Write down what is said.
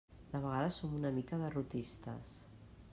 De vegades som una mica derrotistes.